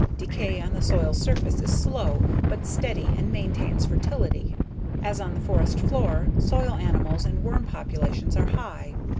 Decay on the soil's surface is slow but steady and maintains fertility. As on the forest floor, soil animals and worm populations are high.